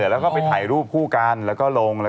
เออแล้วผมไปถ่ายรูปผู้การแล้วก็ลง